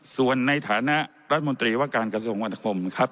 ส่วนในฐานะรัฐมนตรีว่าการกระทรวงวรรคมครับ